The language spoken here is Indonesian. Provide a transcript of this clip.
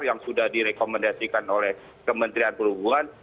yang sudah direkomendasikan oleh kementerian perhubungan